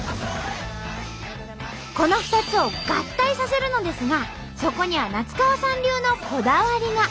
この２つを合体させるのですがそこには夏川さん流のこだわりが。